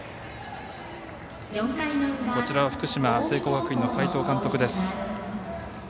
こちらは福島、聖光学院の斎藤監督です。